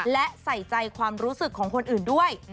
และใส่ใจความรู้สึกของคนอื่นด้วย